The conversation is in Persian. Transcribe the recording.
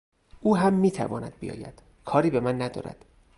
او هم میتواند بیاید; کاری به من ندارد.